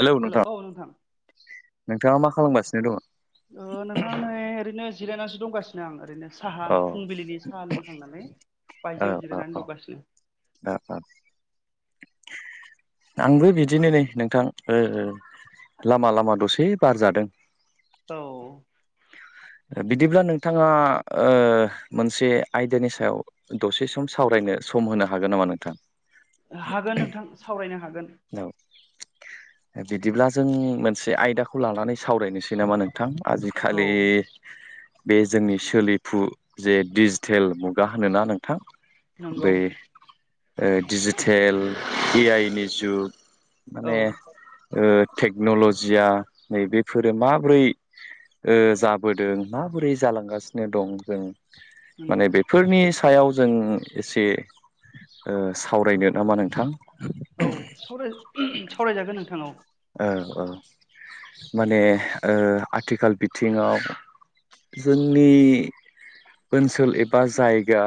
Hello नोंथां नोंथाङा मा खालामगासिनो दङ? अ नोंथां नै ओरैनो जिरायनासो दंगासिनो आं ओरैनो। साहा औ फुंबिलिनि साहा लोंखांनानै औ बायजोआव औ जिरायनानै दंगासिनो [unintelligible] [inaudible] आंबो बिदिनो नै नोंथां ओ लामा लामा दसे बार जादों। औ बिदिब्ला नोंथाङा ओ मोनसे आयदानि सायाव दसे सम सावरायनो सम होनो हागोन नामा नोंथां? हागोन नोंथां सावरायनो हागोन। औ बिदिब्ला जों मोनसे आयदाखौ लानानै सावरायनोसै नामा नोंथां। औ आजिखालि बे जोंनि सोलिफु जे डिजिटेल मुगा होनोना नोंथां नंगौ बै ओ डिजिटेल ए आइ नि जुग औ माने ओ टेक्न'ल'जिया नैबेफोरो माबोरै ओ जाबोदों माबोरै जालांगासिनो दं जों नंगौ माने बेफोरनि सायाव जों एसे ओ सावरायनो नामा नोंथां औ सावराय सावरायजागोन नोंथां औ। औ औ। माने ओ आथिखाल बिथिङाव जोंनि ओनसोल एबा जायगा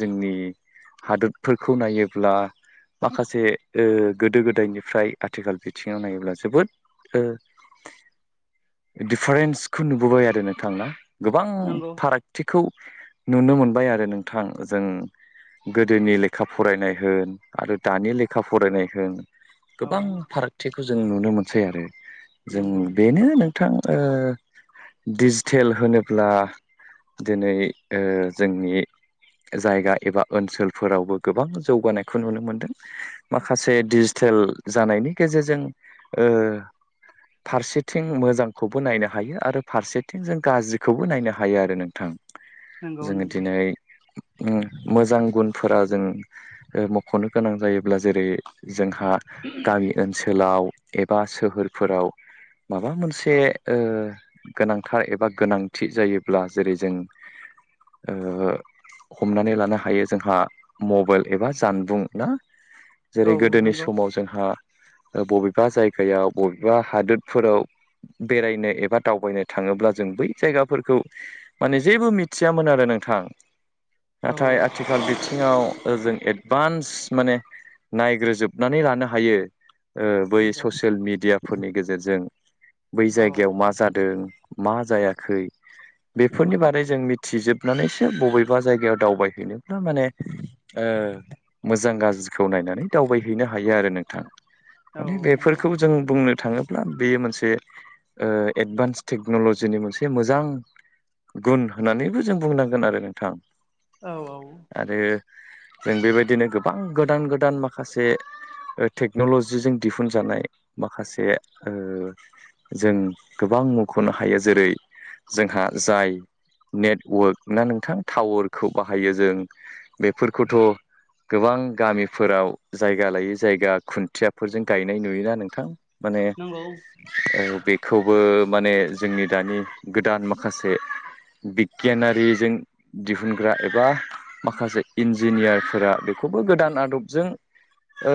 जोंनि हादोरफोरखौ नायोब्ला माखासे ओ गोदो गोदायनिफ्राय आथिखाल बिथिं नायोब्ला जोबोद ओ दिफारेन्सखौ नुबोबाय आरो नोंथां ना गोबां नंगौ फारागथिखौ नुनो मोनबाय आरो नोंथां जों गोदोनि लेखा फरायनाय होन आरो दानि लेखा फरायनाय होन औ गोबां फारागथिखौ जों नुनो मोनसै आरो जों नंगौ बेनो नों थां ओ दिजिटेल होनोब्ला दिनै ओ जोंनि जायगा एबा ओनसोलफोरावबो गोबां जौगानायखौ नुनो मोनदों माखासे डिजिटेल टेल जानायनि गेजेरजों ओ फारसेथिं मोजांखौबो नायनो हायो आरो फारसेथिं जों गाज्रिखौबो नायनो हायो आरो नोंथां। नंगौ जोङो नंगौ दिनै उ मोजां गुनफोरा जों ओ मख'नो गोनां जायोब्ला जेरै जोंहा गामि ओनसोलाव एबा सोहोरफोराव माबा मोनसे औ ओ गोनांथार एबा गोनांथि जायोब्ला जेरै जों ओ हमनानै लानो हायो जोंहा मबाइल एबा जानबुं ना औ जेरै गोदोनि नंगौ समाव जोंहा बबेबा जायगायाव बबेबा हादोरफोराव बेरायनो एबा दावबायनो था ङोब्ला जों बै जायगाफोरखौ माने जेबो मिथियामोन आरो नोंथां। औ नाथाय आथिखाल बि थिङाव जों एडभान्स माने नायग्रोजोबनानै लानो हायो ओ बै नंगौ ससियेल मेडियाफोरनि गेजेरजों बै औ जायगायाव मा जादों मा जायाखै औ बेफोरनि बारै जों मि थिजोबनानैसो बबेबा जायगायाव दावबायहैनोब्ला माने ओ मोजां गाज्रि खौ नायनानै दावबायहैनो हायो आरो नोंथां औ माने नंगौ बेफोरखौ जों बुंनो थाङोब्ला बेयो मोनसे ओ एडभान्स टेक्न'ल'जिनि मोनसे मोजां गुन होननानैबो जों बुंनांगोन आरो नोंथां औ औ आरो जों बेबायदिनो गोबां गोदान गोदान माखासेे ओ टेख न'लजिजों दिहुनजानाय माखासे ओ जों गोबां मुंख'नो हायो जेरै जोंहा जाय नेटवार्क ना नोंथां टावारखौ बाहायो जों बेफोरखौथ' गोबां गामिफोराव जायगा लायै जायगा खुन थियाफोरजों गायनाय नुयो आरो नोंथां माने नंगौ ओ बे खौबो माने जोंनि दानि गोदान माखासे बिगियानारिजों दिहुनग्रा एबा माखासे इन्जिनियारफोरा बे खौबो गोदान आदबजों ओ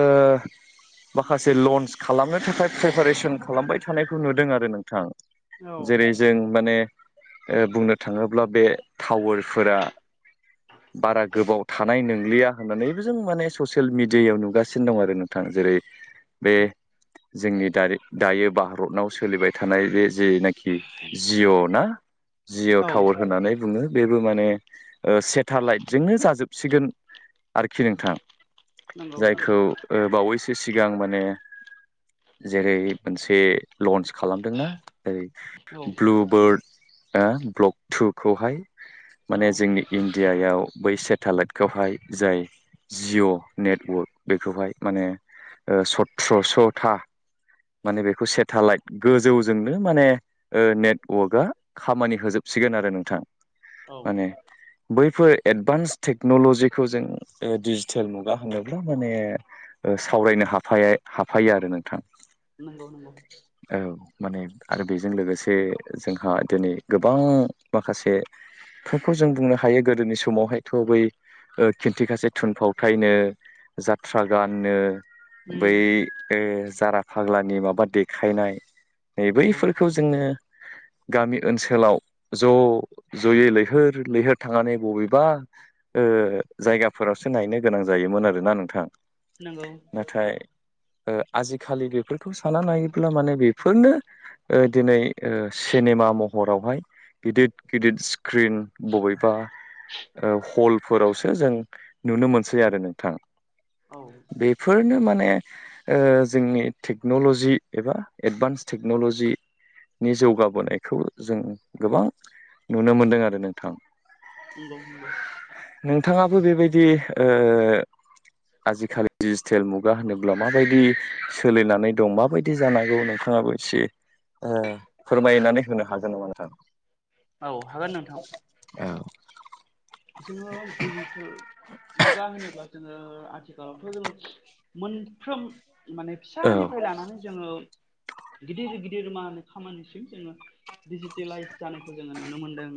माखासे लन्स खालामनो थाखाय प्रिपारेसन खालामबाय थानायखौ नुदों आरो नोंथां। औ जेरै जों माने ओ बुंनो थाङोब्ला बे टावार फोरा बारा गोबाव थानाय न लिया होननानैबो जों माने ससियेल मिडियायाव नुगासिनो दं आरो नोंथां जेरै बे जोंनि दानि दायो भारताव सोलिबाय थानाय बे जेनाखि जिअ' ना जि'अ औ टावार होननानै बुङो बेबो माने सेटेलाइटजोंनो जाजोबसिगोन आरोखि नोंथां। नंगौ नंगौ जायखौ बावैसो सिगां माने जेरै मोनसे लन्स खालामदोंना ओरै औ ब्लु बार्ड ओ ब्लक टुखौहाय माने औ जोंनि इण्डियायाव बै सेटेलाइटखौहाय जाय जिअ' नेटवर्क बेखौहाय माने सथ्रस'था माने बेखौ सेटेलाइट गोजौजोंनो माने ओ नेटवर्कआ खामानि होजोब सिगोन आरो नोंथां औ माने बैफोर एडभान्स टेक्न'ल'जिखौ जों डिजिटेल मुगा होनोब्ला माने सावरायनो हाफाया- हाफायो आरो नोंथां। नंगौ नंगौ औ माने आरो बेजों लोगोसे जोंहा दिनै गोबां माखासे बेफोरखौ जों बुंनो हायो गोदोनि समावहायथ' बै खिन्थिगासे थुनफावथायनो जा ट्रा गाननो उम बै ओ जारा फाग्लानि माबा देखायनाय नंगौ बैफोरखौ जोङो गामि ओनसोलाव ज' ज'यै लैहोर लैहोर थांनानै बबेबा ओ जायगाफोरावसो नायनो गोनां जायोमोन आरोना नोंथां नंगौ ‌। नाथाय आजिखालि बेफोरखौ साना नायोब्ला माने बेफोरनो दिनै ओ सिनेमा महरावहाय गिदिर गिदिर स्क्रिन बबेबा हलफोरावसो जों नुनो मोनसै आरो नोंथां।। औ बेफोरनो माने माने ओ जोंनि टेक्न'ल'जि एबा एडभान्स टेक्न'ल'जि नि जौगाबोनायखौ जों गोबां नुनो मोनदों आरो नोंथां। नंगौ नंगौ नोंथाङाबो बेबायदि ओ आजिखालि डिजिटेल मुगा होनोब्ला माबायदि सोलिनानै दं माबायदि जानांगौ नोंथाङाबो एसे फोरमायनानै होनो हागोन नामा नोंथां? औ हागोन नोंथां। औ जोङो डिजिटेल मुगा होनोब्ला जोङो आथिखालावथ' जोङो मोनफ्रोम माने औ फिसानिफ्राय लानानै जोङो गिदिर गिदिर मा होनो खामानिसिम जोङो दिडिजिटेलाइज जानायखौ जोङो नुनो मोनदों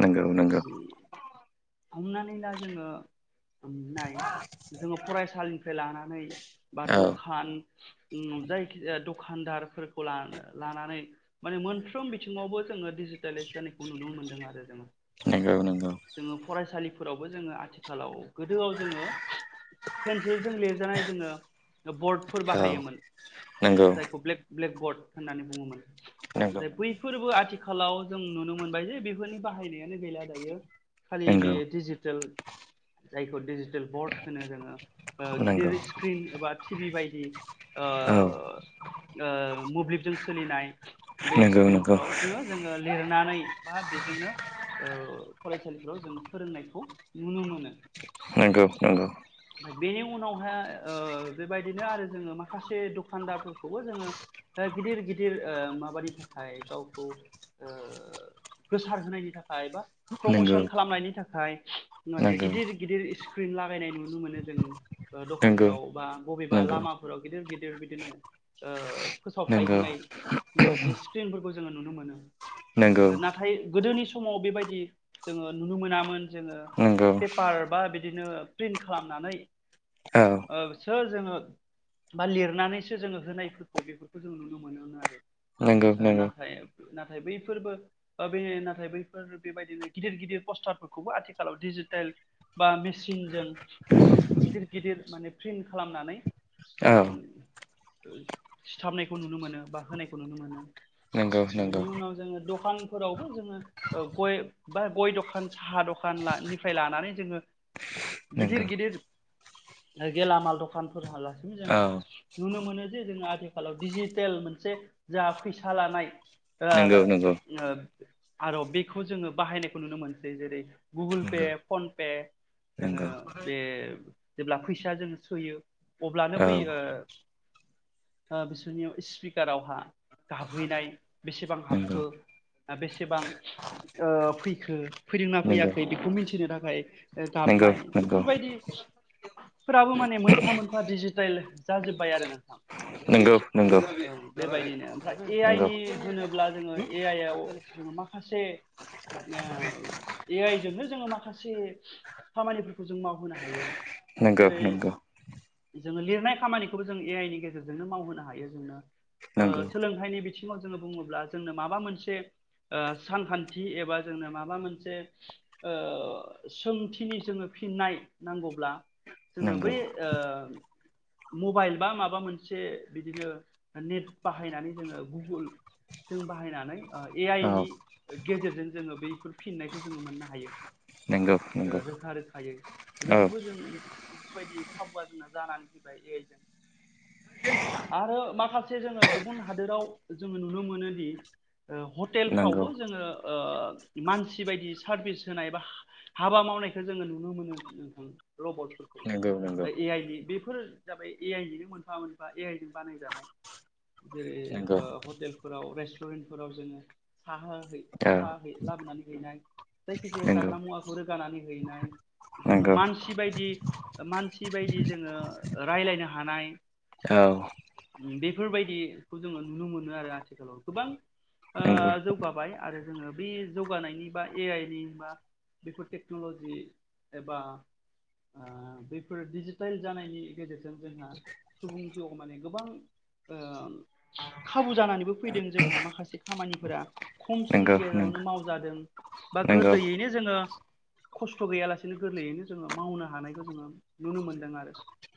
नंगौ नंगौ हमनानै ला जोङो मोननाय जोङो फरायसालिनिफ्राय लानानै बा औ दखान जायखिजाया दखानदारफोरखौ लानानै माने मोनफ्रोम बिथिङावबो जोङो डिजिटालइस जानायखौ नुनो मोनदों आरो नंगौ नंगौ जोङो जोङो फरायसालिफोरावबो जोङो आथिखालाव गोदोआव जोङो पेन्सिलजों लिरजानाय जोङो बर्डफोर औ बाहायोमोन नंगौ जायखौ ब्लेक ब्लेकर्ब्ड होननानै बुङोमोन नंगौ नाथाय बैफोरबो आथि खालाव जों नुनो मोनबाय जे बेफोरनि बाहायनायानो गैला दायो खालि बे नंगौ डिजिटेल जायखौ डिजिटेल बर्ड होनो जोङो नंगौ गिदिर स्क्रिन एबा टि भि बायदि ओ औ ओ मोब्लिबजों सोलिनाय बे नंगौ नंगौ स्क्रिनफोरावनो जोङो लिरनानै बा बेजोंनो फरायसालिफ्राव जोङो फोरोंनायखौ नुनो मोनो नंगौ नंगौ बेनि उनावहाय ओ बेबायदिनो आरो जोङो माखासे दखानदारफोरखौबो जोङो गिदिर गिदिर ओ माबानि थाखाय गावखौ गोसार होनायनि थाखाय बा नंगौ प्रमसन खालामनायनि थाखाय नंगौ माने गिदिर गिदिर इस्क्रिन लागायनाय नुयो नुनो मोनो जों ओ दखानफोराव बा बबेबा लामाफोराव गिदिर गिदिर गिदिर बिदिनो ओ फोसावथाइ नंगौ होनाय माखासे स्क्रिनफोरखौ जोङो नुनो मोनो ओ नाथाय गोदोनि समाव बेबायदि जोङो नुनो मोनामोन जोङो पेपार बा बिदिनो प्रिन्ट खालामनानै औ ओ सो जोङो बा लिरनानैसो जोङो होनायफोरखौ बेफोरखौ जों नुनो मोनोमोन आरो नंगौ ओ नंगौ नाथाय नाथाय बैफोरबो ओ‌ बे नाथाय बैफोर बेबायदिनो गिदिर गिदिर पस्टारफोरखौबो आथिखालाव दि दिजिटेल बा मेसिनजों जोङो गिदिर गिदिर माने प्रिन खालामनानै औ जोङो सिथाबनायखौ नुनो मोनो बा होनायखौ नुनो मोनो नंगौ नंगौ बेनि उनाव जोङो दखानफोरावबो जोङो ओ गय बा गय दखान साहा दखाननिफ्राय लानानै जोङो गिदिर नंगौ गिदिर ओ गेलामाल दखानफोरहालासिनो जोङो नुनो मोनो जे जोङो आथिखालाव डिजिटेल मोन मोनसे जोंहा फैसा लानाय ओ‌ औ नंगौ नंगौ ओ आर बेखौ जोङो बाहायनायखौ नुनो मोनसै जेरै गुगोल पे फनपे नोंगौ बे जेब्ला फैस जों सोयो अब्लानो औ बै ओ ओ बिसोरनियाव स्पिकारावहा‌ गाबहैनाय बेसेबां नंगौ हाबखो बेसेबां ओ फैखो फैदोंना नंगौ फैयाखै बेखौ मिन्थिनो थाखाय ओ नंगौ नंगौ गाबनाय बिफोर बायदि फोराबो माने मोनफा मोनफा डिजिटेल जाजोब्बाय आरो नोंथां नोंगौ नोंगौ ओ बेबायदिनो ओमफ्राय ए आइ नि होनोब्ला जोङो ए आइ आव जोङो माखासे नाव ए आइ जोंनो जोङो माखासे खामानिफोर जों मावहोनो हायो नोंगौ जेरै नोंगौ जोङो लिरनाय खामानिखौबो जों ए आइ नि गेजेरजोंनो मावहोनो हायो जोंनो ओ नंगौ नंगौ सोलोंथाइनि बिथिङाव जोङो बुङोब्ला जोंनो माबा मोनसे ओ सानखान्थि एबा जोंनो माबा मोनसे ओ‌ सोंथिनि जोङो फिननाय नांगौब्ला जोङो नंगौ बै ओ मबाइल बा माबा मोनसे बिदिनो नेट बाहायनानै जोङो गुगुल जों बाहायनानै ओ ए आइ नि औ गेजेरजों जोङो बैफोर फिननायखौ जोङो मोननो हायो नोंगौ नोंगौ जायो बेफोरबो जों बेफोरबायदि खाबुआ जोंना जानानै फैबाय ए आइ जों आरो माखासे जोङो गुबुन हादोराव जोङो नुनो मोनोदि ओ नंगौ हटेलफ्रावबो जोङो ओ‌‌ मानसि बायदि सारभिस होनाय बा हाबा मावनायखो जोङो नुनो मोनो नोंथां रबटफोरखौ नंगौ दा‌ नंगौ ए आइ नि बेफोर जाबाय ए आइ निनो मोनफा मोनफा ए आइजों बानायजानाय जेरै नंगौ ओ हटेलफोराव रेस्टुरेन्टफोराव जोङो साहा होफै औ साहा ला लाबनानै हैनाय जायखि जाया नंगौ जाग्रा मुवाखौ रोगानानै हैनाय जोङो नंगौ मानसि बायदि मानसि बायदि जोङो रायलायनो हानाय औ बेफोरबायदिखौ जोङो नुनो मोनो आरो आथिखालाव गोबां ओ नंगौ नंगौ जौगाबाय आरो जोङो बे जौगानायनि बा ए आइ नि बा बेफोर टेक्नलजि एबा ओ बेफोर डिजिटेल जानायनि गेजेरजों जोंहा सुबुं जिउआव माने गोबां ओ खाबु जानानैबो फैदों जोंहा माखासे खामानिफोरा खम समनि नंगौ गेजेरावनो मावजादों बा नंगौ नंगौ गोरलैयैनो जोङो खस्थ' गैयालासे बिनो गोरलैयैनो जोङो मावनो हानायखौ जोङो नुनो मोन्दों आरो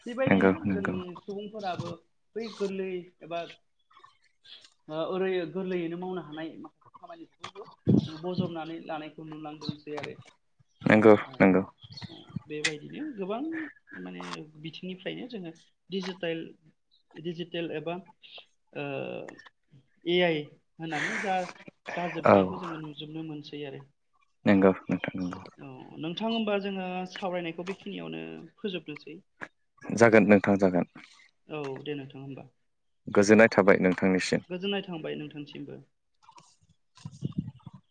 बेबायदिनो नंगौ जोंनि सुबुंफोराबो बै गोरलै एबा ओरै गोरलैयैनो मावनो हानाय माखासे खामानिखौबो बजबनानै लानायखौ नुलांदोंसै आरो नंगौ नंगौ बेबायदिनो गोबां माने बिथिंनिफ्रायनो जोङो डिजिटेल दिडिजिटेल एबा ओ ए आइ होननानै जा औ जाजोबनायखौ जोङो नुजोबनो मोनसै आरो नंगौ नोंथां नंगौ औ नोंथां होनोमबा जोङो सावरायनायखौ बेखिनियावनो फोजोबनोसै जागोन नोंथां जागोन औ [inaudible] गोजोननाय थाबाय नोंथांनिसिम गोजोननाय [inaudible]